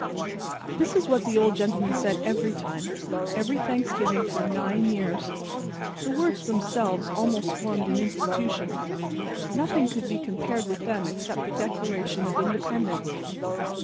That is what the old Gentleman said every time. Every Thanksgiving Day for nine years. The words themselves almost formed an Institution. Nothing could be compared with them except the Declaration of Independence.